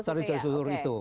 satu garis lurus gitu ya